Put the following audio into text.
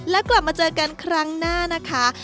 แล้วกลับมาเจอกันครั้งหน้านะคะ